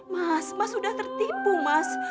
mas mah sudah tertipu mas